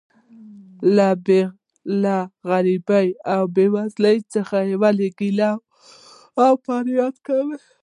نو له غریبۍ او بې وزلۍ څخه ولې ګیله او فریاد کوې.